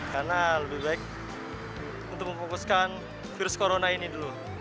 karena lebih baik untuk memfokuskan virus corona ini dulu